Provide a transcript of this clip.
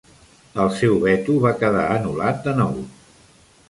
El seu veto va quedar anul·lat de nou.